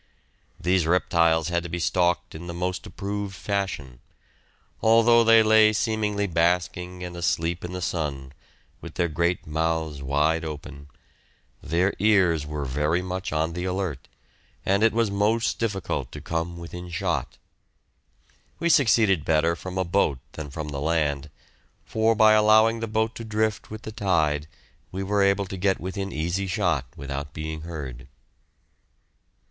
These reptiles had to be stalked in the most approved fashion; although they lay seemingly basking and asleep in the sun, with their great mouths wide open, their ears were very much on the alert, and it was most difficult to come within shot. We succeeded better from a boat than from the land, for by allowing the boat to drift with the tide we were able to get within easy shot without being heard.